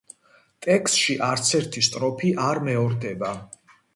ტექსტში არცერთი სტროფი არ მეორდება.